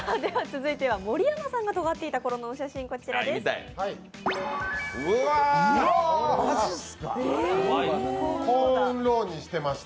続いては盛山さんがとがっていたころのお写真、こちらです。